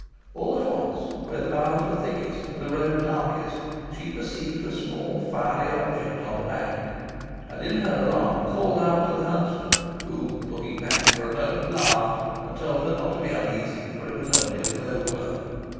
All at once, where the boughs were thickest, and the road darkest, she perceived a small fiery object on the bank, and in her alarm called out to the huntsman, who, looking back for a moment, laughed, and told her not to be uneasy, for it was only a glow worm.